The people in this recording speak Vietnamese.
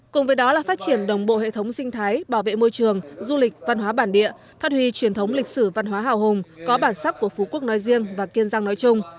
cùng với đó là phát triển đồng bộ hệ thống sinh thái bảo vệ môi trường du lịch văn hóa bản địa phát huy truyền thống lịch sử văn hóa hào hùng có bản sắc của phú quốc nói riêng và kiên giang nói chung